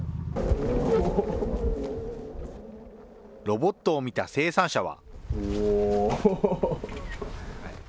ロボットを見た生産者は。